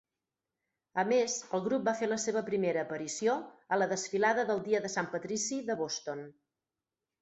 A més, el grup va fer la seva primera aparició a la Desfilada del Dia de Sant Patrici de Boston.